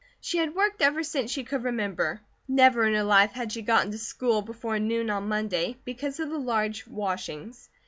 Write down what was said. She had worked ever since she could remember. Never in her life had she gotten to school before noon on Monday, because of the large washings.